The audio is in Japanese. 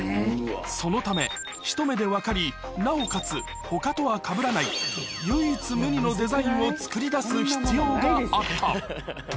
そのため、一目で分かり、なおかつほかとはかぶらない、唯一無二のデザインを作りだす必要があった。